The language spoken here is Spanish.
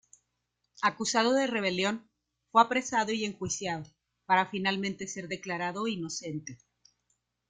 Acusado de rebelión, fue apresado y enjuiciado, para finalmente ser declarado inocente.